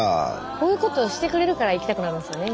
こういうことしてくれるから行きたくなるんですよね